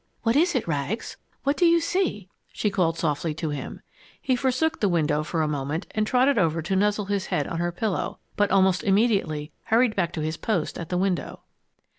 "What is it, Rags? What do you see?" she called softly to him. He forsook the window for a moment and trotted over to nuzzle his head on her pillow, but almost immediately hurried back to his post at the window.